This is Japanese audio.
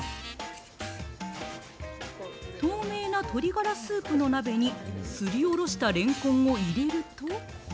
透明な鶏ガラスープの鍋に、すりおろしたレンコンを入れると。